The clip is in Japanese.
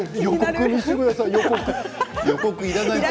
予告を見せてください。